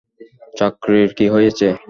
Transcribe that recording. চাকরির কী হয়েছে?